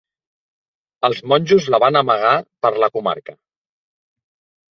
Els monjos la van amagar per la comarca.